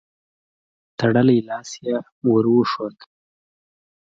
تړلی لاس يې ور وښود.